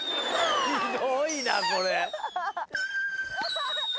ひどいなこれ。